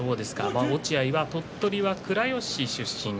落合は、鳥取は倉吉市出身。